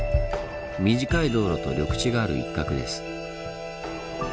短い道路と緑地がある一角です。